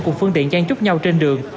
cùng phương tiện chan trúc nhau trên đường